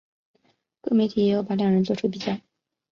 各媒体也有把两人作出比较。